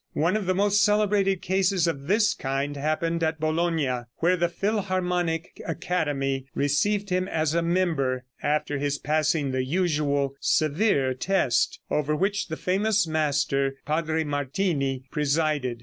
One of the most celebrated cases of this kind happened at Bologna, where the Philharmonic Academy received him as a member, after his passing the usual severe test, over which the famous master, Padre Martini, presided.